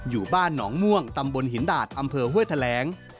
อยู่บ้านหนองม่วงตำบลหินดาดอำเภอห้วยแถลง